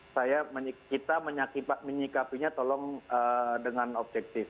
saya kita menyikapinya tolong dengan objektif